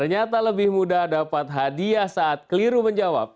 ternyata lebih mudah dapat hadiah saat keliru menjawab